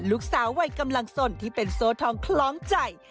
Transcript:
ลูกสาววัยกำลังสนที่เป็นโซทองคล้องใจ